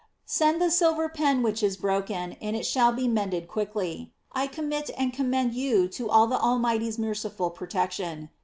Send the silver pen which is broken, and it shall be mended quickly. So I commit and commend you all to the Almighty's merciful protection.